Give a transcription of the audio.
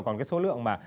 còn cái số lượng mà